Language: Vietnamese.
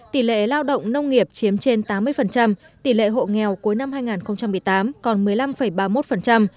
tỷ lệ lao động nông nghiệp chiếm trên tám mươi tỷ lệ hộ nghèo cuối năm hai nghìn một mươi tám còn một mươi năm ba mươi một